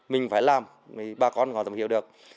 mình phải làm bà con không hiểu được